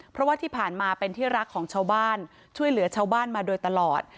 เพราะว่าที่ผ่านมาเป็นที่รักของชาวบ้านช่วยเหลือชาวบ้านมาโดยตลอด